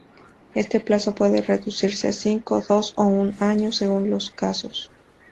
Este plazo puede reducirse a cinco, dos o un año, según los casos.